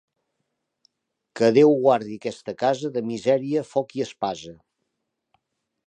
Que Déu guardi aquesta casa de misèria, foc i espasa.